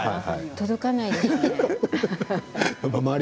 届かないですね。